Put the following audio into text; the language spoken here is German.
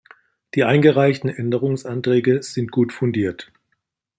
Die eingereichten Änderungsanträge sind gut fundiert.